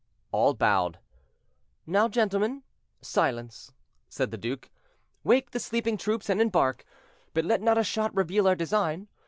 All bowed. "Now, gentlemen, silence," said the duke; "wake the sleeping troops, and embark; but let not a shot reveal our design.